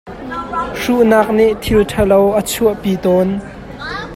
Hruhnak nih thil ṭha lo a chuah pi tawn.